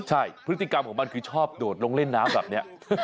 ใช่พฤติกรรมของมันคือชอบโดดลงเล่นน้ำแบบนี้